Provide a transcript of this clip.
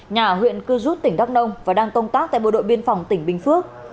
nhà ở huyện cư rút tỉnh đắk nông và đang công tác tại bộ đội biên phòng tỉnh bình phước